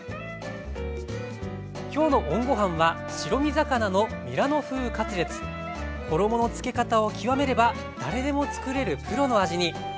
今日の衣のつけ方を極めれば誰でもつくれるプロの味に。